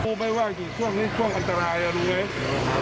ไม่ว่าอยู่ช่วงนี้ช่วงอันตรายอ่ะรู้ไหม